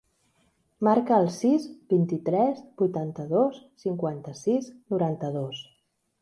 Marca el sis, vint-i-tres, vuitanta-dos, cinquanta-sis, noranta-dos.